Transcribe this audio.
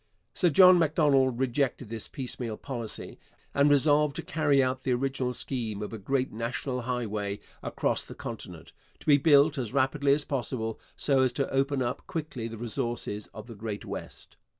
Sir John Macdonald rejected this piecemeal policy, and resolved to carry out the original scheme of a great national highway across the continent, to be built as rapidly as possible so as to open up quickly the resources of the Great West.